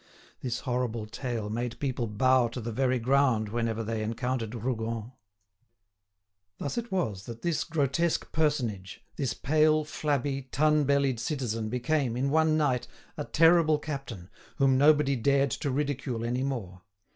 This horrible tale made people bow to the very ground whenever they encountered Rougon. Thus it was that this grotesque personage, this pale, flabby, tun bellied citizen became, in one night, a terrible captain, whom nobody dared to ridicule any more.